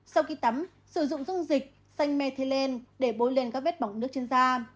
sau khi tắm sử dụng dung dịch xanh metiel để bôi lên các vết bỏng nước trên da